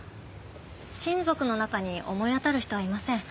親族の中に思い当たる人はいません。